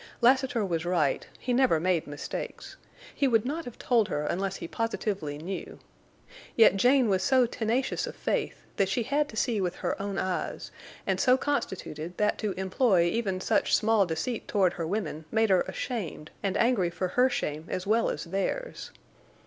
Lassiter was right; he never made mistakes; he would not have told her unless he positively knew. Yet Jane was so tenacious of faith that she had to see with her own eyes, and so constituted that to employ even such small deceit toward her women made her ashamed, and angry for her shame as well as theirs.